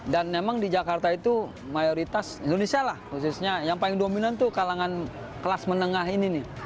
dan memang di jakarta itu mayoritas indonesia lah khususnya yang paling dominan tuh kalangan kelas menengah ini